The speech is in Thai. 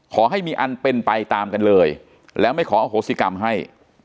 ขอให้มีอันเป็นไปตามกันเลยแล้วไม่ขออโหสิกรรมให้